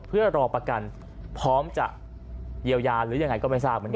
เพื่อรอประกันพร้อมจะเยียวยาหรือยังไงก็ไม่ทราบเหมือนกัน